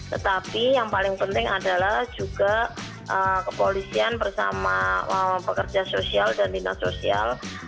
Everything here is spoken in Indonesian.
tetapi yang paling penting adalah juga kepolisian bersama pekerja sosial dan dinas sosial